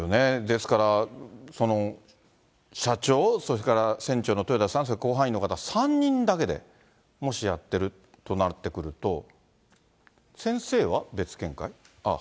ですから、社長、それから船長の豊田さん、それから甲板員の方、３人だけでもしやってるとなってくると、先生は別見解？